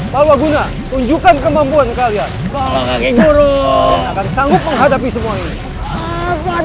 mawa guna tunjukkan kemampuan kalian kalau kakek guru akan sanggup menghadapi semua ini